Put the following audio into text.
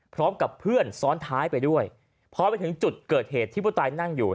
พร้อมกับเพื่อนซ้อนท้ายไปด้วยพอไปถึงจุดเกิดเหตุที่ผู้ตายนั่งอยู่